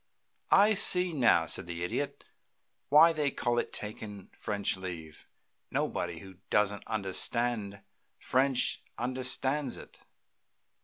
"I see now," said the Idiot, "why they call it taking French leave. Nobody who doesn't understand French understands it.